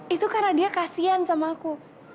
itu karena dia kasian sama aku